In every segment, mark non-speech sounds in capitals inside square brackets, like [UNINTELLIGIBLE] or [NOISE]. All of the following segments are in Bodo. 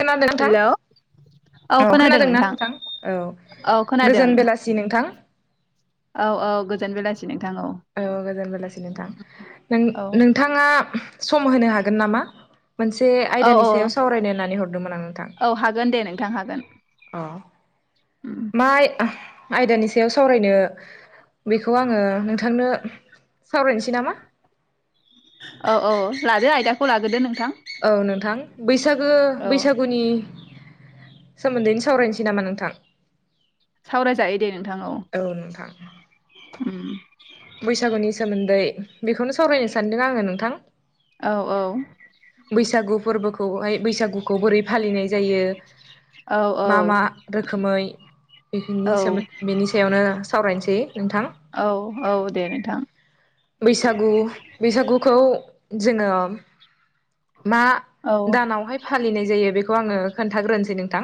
खोनादों नोंथां हेलौ औ खोनादोंना नोंथां औ औ खोनादों गोजोन बेलासि नोंथां औ औ गोजोन बेलासि नोंथां औ गोजोन बेलासि नोंथां औ नोंथाङा सम होनो हागोन नामा? मोनसे औ आयदानि औ सायाव सावरायनो होननानै हर औ हागोन दे नोंथां हागोन अ उम माइ आयदानि सायाव सावरायनो बेखौ आङो नोंथांनो सावरायनोसै नामा? औ औ लादो आयदाखौ लाग्रदो नोंथां। औ नोंथां। बैसागो- औ बैसागुनि सोमोन्दैनो सावरायनोसै नामा नोंथां? सावरायजायो दे नोंथां औ- अम बैसागुनि सोमोन्दै बेखौनो सावरायनो सान्दों आङो नोंथां। औ- औ। बैसागु फोरबोखौहाय बैसागुखौ बोरै फालिनाय जायो औ मा- मा औ रोखोमै बेनि औ सोमोन्दै बेनि सायावनो सावरायनोसै नोंथां औ औ दे नोंथां बैसागु -बैसागुखौ जोङो मा औ दानावहाय फालिनाय जायो बेखौ खौ आङो खोन्थाग्रोसै नोंथां।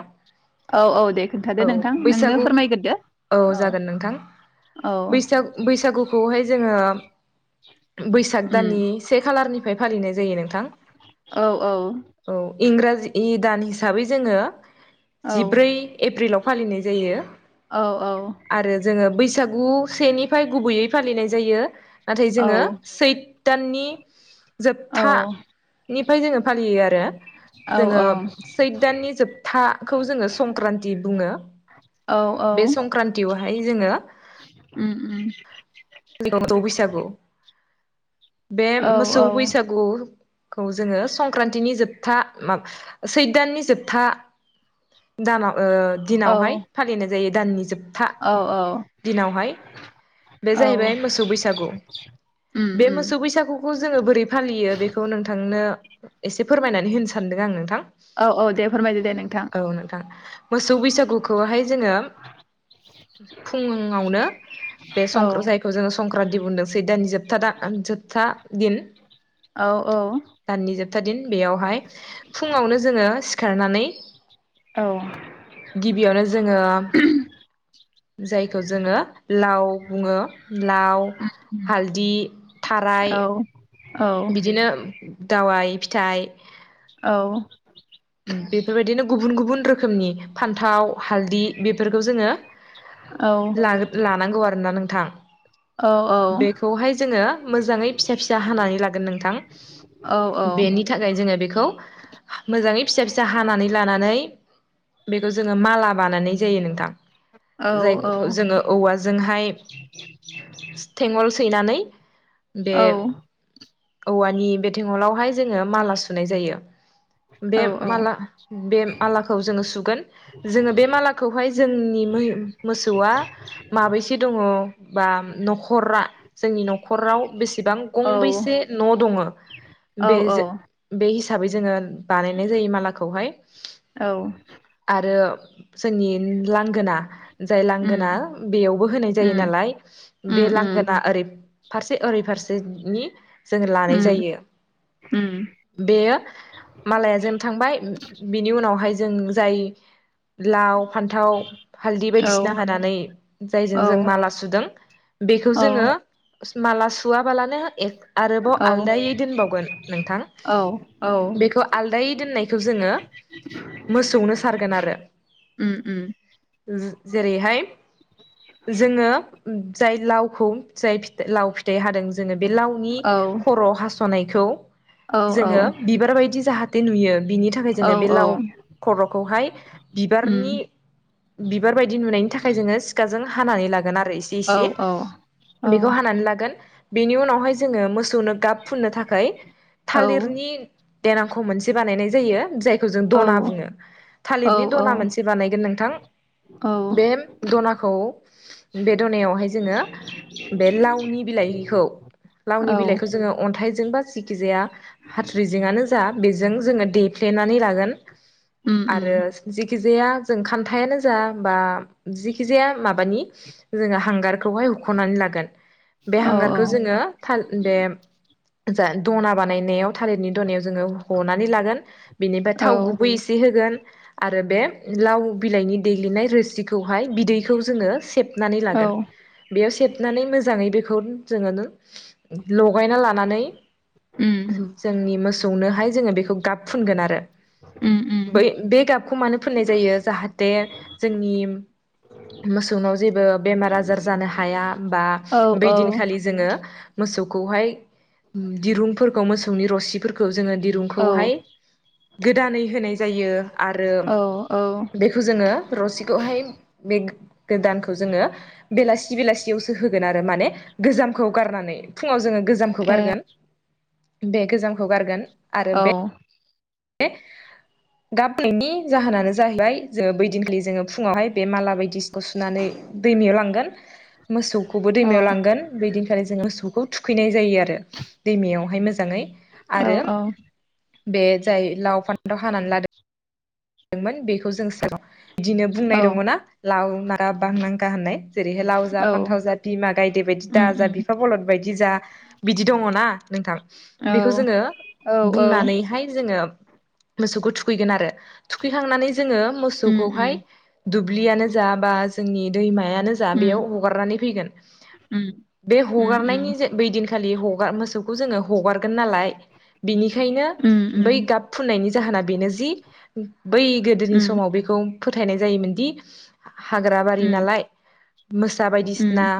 औ औ दे खोन्थादो औ नोंथां नोंनो बैसागु फोरमायग्रोदो औ जागोन नोंथां औ बैसागुखौहाय जोङो बैसाग उम दाननि से खालारनि बेफ्राय फालिनाय जायो नोंथां। औ इंराजि गोदान हिसाबै जोङो औ जिब्रै एप्रिलाव फालिनाय जायो औ औ आरो जोङो बैसागु बैसागु सेनिफ्राय गुबैयै फालिनाय जायो नाथाय जोङो सैथ दाननि जोबथा निफ्राय जोङो फालियो आरो औ जोङो औ सैथ दाननि जोबथाखौ जोङो संक्रान्ति बुङो औ औ बे संक्रान्तियाव बाहाय जोङो उम [UNINTELLIGIBLE] बैसागु बे औ मोसौ औ बैसागु खौ जोङो संक्रान्तिनि जोबथा माब सैथ दाननि जोबथा दानाव ओ औ दिनावहाय फालिनाय जायो। दाननि जोब था औ औ दिनावहाय बे औ जाहैबाय मोसौ बैसागु उम बे उम मोसौ बैसागुखौ जोङो बोरै फालियो बेखौ नोंथां नो एसे फोरमायनानै होनो सानदों आं नोंथां। दे फोरमायदो दे नोंथां औ नोंथां मोसौ बैसागुखौहाय जोङो फुङावनो बे औ सं जायखौ जोङो संक्रान्ति बुंदोंसै दान जोबथा द जोबथा। दिन औ औ। था दिन बेयावहाय फुङावनो जोङो सि खारनानै औ गिबियावनो जोङो जायखौ जोङो लाव बुङो लाव उम हालदि थाराय औ औ बिदिनो दावाइ फिथाइ औ। बेफोरबायदिनो गुबुन गुबुन रोखोमनि फान्थाव हालदि बेफोरखौ जोङो ला-लानांगौ आरोना नों थां। औ औ बेखौहाय जोङो मोजाङै फिसा फिसा हानानै लागोन नोंथां औ औ बेनि थाखाय जोङो बेखौ मोजाङै फिसा फिसा हानानै लानानै बेखौ जोङो माला बानायनाय जायो नोंथां जाय जोङो औवाजोंहाय थेङल सैनानै बे औ औवानि बे थेङलावहाय जोङो माला सुनाय जायो। बे माला बे मालाखौ जों सुगोन जोङो बे मालाखौहाय जोंनि मोहो मोसौआ माबैसे दङ बा न'खरा जोंनि न'खराव बेसेबां गंबैसे न' दङो औ बे जो बे हिस हिसाबै जोङो बानाय नाय जायो मालाखौहाय। औ। आरो जोंनि लांगोना जाय लांगोना उम बेयावबो होनाय जायो उम नालाय उम बे उम लांगोना ओरै फारसे ओरै फारसेनि। जोङो लानाय उम जायो उम बेयो मालाया। बिनि उनावहाय जों जाय। लाव फान्थाव हालदै औ बायदिसिना हानानै जायजों औ जों माला सुदों बेखौ औ जोङो। माला सुवा बालानो आरोबाव आलदायै दोनबावगोन नोंथां औ औ बेखौ आलदायै। दोन्नायखौ जोङो, मोसौनो सारगोन आरो उम उम जेरैहाय जोङो। जाय लावखौ जाय लाव फिथाइ हादों। जो बे लावनि औ खर' हास' सनायखौ औ जोङो बिबार बायदि जाहाथे। दि [UNINTELLIGIBLE] बिनि थाखाय जोङो औ बे लाव खर'खौहाय उम बिबारनि बिबार बायदि नुनायनि थाखाय जोङो सिखाजों हानानै लागोन आरो एसे औ इसे औ औ बेखौ हानानै लागोन बेनि उनावहाय जोङो मोसौनो गाब फुननो थाखाय औ थालिरनि देनां। बानायनाय जायो जाय [UNINTELLIGIBLE] जों औ दना बुङो औ थालिरनि दना मोनसे बानायगोन नोंथां औ बे दनाखौ बे दनायावहाय जोङो बे लावनि बिलाइखौ औ लावनि बिलाइखौ जोङो अन्थाइजों बा जखिजाया। हाथ्रिजोंआनो [UNINTELLIGIBLE] उम उम [UNINTELLIGIBLE] जाया जों खान्थायानो जा बा जिखि जाया माबानि हांगार। [UNINTELLIGIBLE] हख'नानै लागोन बे औ औ हांगारखौ जोङो ओ [UNINTELLIGIBLE] [UNINTELLIGIBLE] दना बानायनायाव थारतनि [UNINTELLIGIBLE] औ [UNINTELLIGIBLE] [UNINTELLIGIBLE] आरो बे लाव बिलाइनि दैेग्लिनाय रोसिखौहाय बिदै औ [UNINTELLIGIBLE] [UNINTELLIGIBLE] मोजाङै बेखौ जोङो। लगायना लानानै उम जोंनि मोसौ। उम उम [UNINTELLIGIBLE] [UNINTELLIGIBLE] मानो फोननाय जायो जाहाथे जोंनि मोसौनाव जेबो बेमार आजार जानो हाया। बा औ बै औ दिनखालि जोङो। मोसौखौहाय दिरुंफोरखौ मोसौनि रसि [UNINTELLIGIBLE] जोंङो औ दिरुंखौहाय गोदानै होनाय जायो आरो औ औ बेखौ जोंङो रसिखौहाय बे गोदानखौ जोंङो बेलासि-बेलासियावसो होगोन आरो माने गोजामखौ गारनानै फुङाव जोंङो गोजामखौ ए गारगोन बे गोजाम खौगारगोन औ बे गारनायनि जाहोनानो जाहैबाय जोंङो बैदिनखालि जोंङो फुंङावहाय बे माला बायदिसिखौ सुनानै दैमायाव लांगोन मोसौखौबो औ दैमायाव लांगोन बेदिनिखालि जों मोसौखौ थुखैनाय जायो आरो दैमायावहाय मो जांङै औ आरो बे जाय लाव फान्थाव हानानै लादों मोन बेखौ जों सा बिदिनो औ बुंनाय दंङना लाव मारा बांनांखा होननाय जेरैहाय लाव जा फान्थाव जा बिमा गायदे बायदि दा उम जा उम बिफा बलद बायदि जा बिदि दंङ ना नोंथां औ बेखौ जोंङो औ औ बुंनानैहाय जोंङो मोसौखौ थुखैगोन आरो थुखैखांनानै जोंङो उम उम मोसौखौहाय दुब्लियानो जा बा जोंनि दैमाया नो जा उम बेयाव हगारनानै फैगोन उम बे उम उम हगारनायनि बै दिनखालि हगा मोसौखौ जोंङो हगारगोन नालाय बेनिखायनो उम बै गाब फुननायनि जाहोना बेनो जि बै गोदोनि उम समाव बेखौ फोथायनाय जायोमोन दि हाग्रा बारि उम नालाय मोसा बायदिसिना उम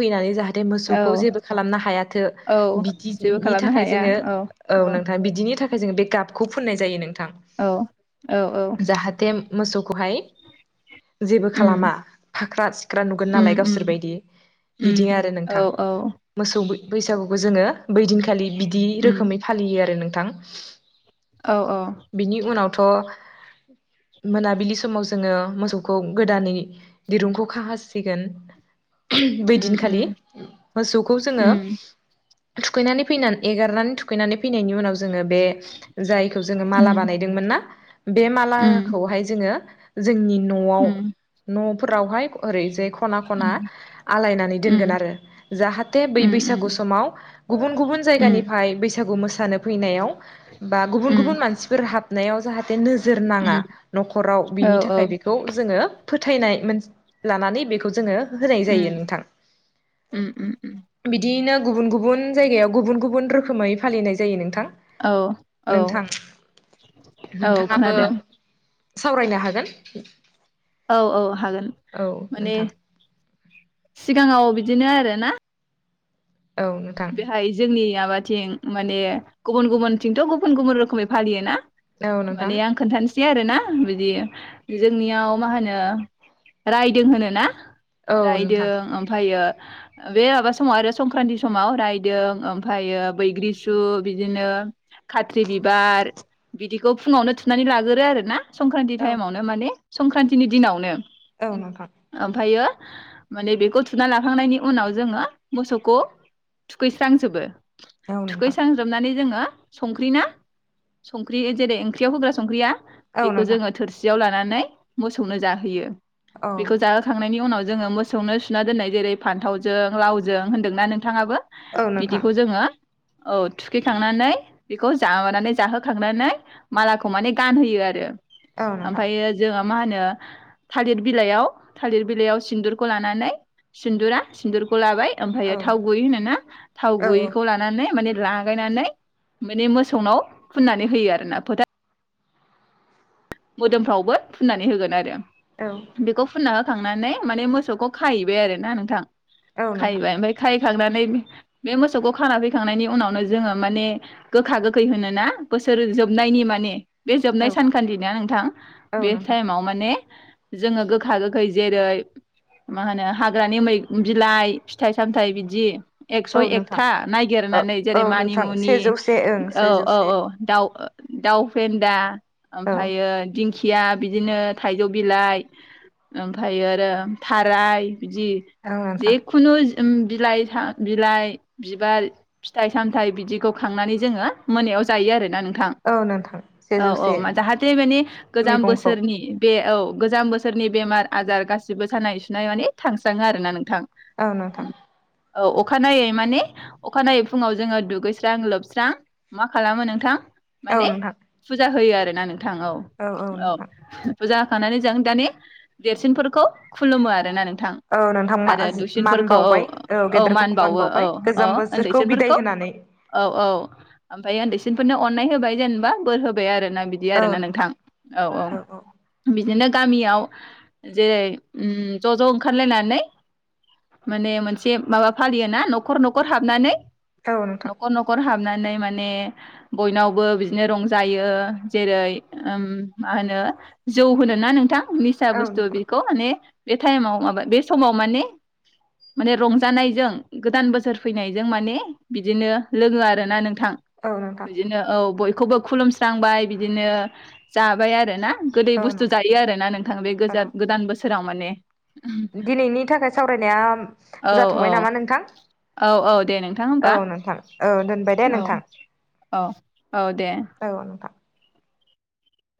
फैनानै जाहाथे मोसौखौ औ जेबो खालामनो हायाथो औ जेबो बिदिनि खालामनो थाखाय हाया जोंङो औ नोंथाङा बिदिनि था थाखाय जों बे गाबखौ फुननाय जायो नों औ औ औ जाहाथे मोसौखौहाय जेबो खालामा उम फाख्रा सिख्रा नुगोन उम नालाय उम गावसोर बादि बिदि उम आरो औ नोंथां औ मोसौ बैसागुखौ जोंङो बैदिनखालि बिदि उम रोखोमै फालियो आरो नों थां औ औ बिनि उनाव थ [INAUDIBLE] मोनाबिलि समाव जोङो मोसौखौ गोदानै दिरुंखौ खाहासिगोन उम बैदिनखालि उम मोसौखौ जोङो उम थुखैनानै फैनानै एगारनानै थुखैनानैै फैनायनि उनाव जोङो बे जायखौ जोङो माला उम बानायदोंमोन ना बे उम मालाखौहाय जोङो यो जो जोंनि न'आव उम न' फोरावहाय ओरैजाय खना खना उम आलायनानै दोनगोन उम आरो जाहाथे बै उम बैसागु समाव गुबुन गुबुन उम जायगानिफाय बैसागु मोसानाय सानो फैनायाव बा गुबुन उम गुबुन मानसिफोर हाबनायाव [UNINTELLIGIBLE] जोरनाङा उम न'खराव औ बिनि थाखाय औ बेखौ जोङो फोथायनाय मोनसे लानानै बेखौ जोङो होनाय जायो उम नोंथां उम उम उम बिदियैनो गुबुन गुबुन जायगायाव गुबुन गुबुन रोखोमै फालिनाय जायो नोंथां औ औ नोंथां औ नोंथाङाबो खोनादों सावरायनो हागोन। औ औ हागोन औ माने नोंथां सिगाङाव बि दिनो आरो ना औ नोंथां बेहाय जोंनि आबाद थिं माने गुबुन गुबुनथिंथ' गुबुन गुबुन रोखोमै फालियो ना? औ नोंथां माने आं खोन्थानोसै बिदि आरो ना बिदि जोंनियाव मा होनो रायदों होनो ना? औ रायदों नोंथां ओमफ्रायो बे माबा समाव आरो संक्रन्ति समाव रायदों ओमफ्रायो बैग्रिसु बिदिनो खाथ्रि बिबार बिदिखौ फुङावनो थुनानै लागोरो आरोना संक्रान्ति औ टाइमावनो माने संक्रान्तिनि दिनावनो औ नोंथां ओमफायो माने बेखौ थुना लाखांनायनि उनाव जोङो मोसौखौ थुखैस्रांजोबो औ नोंथां थुखैस्रां जोबनानै जोङो ओ संख्रि ना संख्रि जेरै ओंख्रियाव होग्रा संख्रिया औ बेखौ जोङो नोंथां थोरसियाव लानानै मोसौनो जाहोयो। औ बेखौ जाहोखांनायनि उनाव जोङो मोसौनो सुना दोन्नाय जेरै फान्थावजों लावजों होन्दोंना नों? नोंथाङाबो औ नोंथां बिदिखौ जोङो औ थुखैखांनानै बेखौ जानानै जाहोखांनानै मालाखौ माने गानहोयो आरो औ नोंथां ओमफ्रायो जों मा होनो थालिर बिलाइयाव थालिर बिलाइयाव सिन्दुरखौ लानानै सिन्दुरा सिन्दुरखौ लाबाय औ थाव गुबै होनोना थाव औ गुबैखौ लानानै माने। लागायनानै माने मोसौनाव फुननानै होयो आरोना फोथा। मोदोमफ्रावबो फुननानै होगोन आरो। औ बेखौ फुना थांनानै माने मोसौखौ खाहैबाय आरोना नोंथां। औ नोंथां खायैबाय ओमफाय खायै खांनानै बे मोसौखौ खाना फैखांनायनि उनावनो जोङो माने गोखा गोखै होन ना बोसोर जोबनायनि माने बे जोबनाय औ सानखालि ना नोंथां औ बे नोंथां टाइमाव माने। जोङो गोखा गोखै जेरै मा होनो हाग्रानि मै बिलाइ फिथाइ सामथाय बिदि। औ एकस' नोंथां एकथा औ नागिरनानै जेरै औ नोंथां मानिमुनि सेजौसे ओं औ औ सेजौसे औ दाउ ओ। दाउ फेन्दा। औ ओमफायो दिं। खिया बिदिनो थाइजौ बिलाइ ओमफ्राय आरो थाराय। नोंथां [UNINTELLIGIBLE] ओम बिलाइ था बिलाइ बिबार फिथाइ सामथाइ बिदिखौ खांनानै जोङो मोनायाव जायो आरोना नोंथां। औ नोंथां औ सेजौसे। [UNINTELLIGIBLE] गोजाम मैगंखौ बोसोरनि बे औ गोजाम बोसोरनि बेमार आजार गासिबो सानाय सुनाय माने थांस्राङो आरोना नोंथां। औ नोंथां। औ अखानायनायै माने अखानायनायै फुङाव जोङो दुगैस्रां लोबस्रां मा खालामो नोंथां। औ माने नोंथां फुजा होयो आरो। दो ना नों थां औ औ। बुजा होखांनानै जों दानि देरसिनफोरखौ खुलुमो आरोना नों थां औ नोंथां आरो मान दुइसिनफोरखौ औ बावबाय औ गेदेरफोरखौ मान मानबावो औ बावबाय औ गोजाम बोसोरखौ बिदाय ओन्दैसिनफोरखौ होनानै औ औ ओमफायो ओन्दैसिन फोरनो अननाय होबाय जेनेबा बोर होबाय आरो ना। बिदि आरोना नोंथां औ औ बिदिनो। गामियाव जेरै उम ज' ज' ओंखारलायनानै माने मोनसे माबा फालियोना न'खर न'खर हाबनानै। औ नोंथां न'खर न'खर हाबना। नै माने बयनावबो बिदिनो रंजायो। जेरै उम मा होनो जौ होनो ना नोंथां? निसा औ बस्थु नोंथां बिखौ माने। बे टाइमाव माबा बे समाव माने माने रंजानायजों गोदान बोसोर फैनायजों माने बिदिनो लोङो आरोना नों थां औ नोंथां बिदिनो औ बय खौबो खुुलुमस्रांबाय बि दिनो जाबाय आरो ना। गोदै औ बुस्थु नोंथां जायो आरोना नोंथां बे औ गोजा गोदान बोसोराव माने दिनैनि थाखाय सावरायनाया औ औ जाथ'बाय नामा नोंथां औ औ दे नोंथां औ होमबा नोंथां औ दोनबाय दे औ नोंथां औ औ दे औ नोंथां।